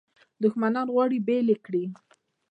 دښمنان غواړي بیل یې کړي.